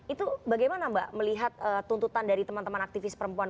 itu bagaimana mbak melihat tuntutan dari teman teman aktivis perempuan